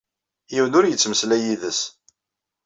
Yiwen ur yettmeslay yid-s.